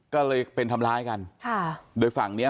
ก็เลยเป็นทำร้ายกันค่ะโดยฝั่งเนี้ย